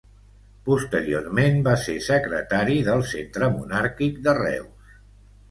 Posteriorment va ser secretari del Centre Monàrquic de Reus.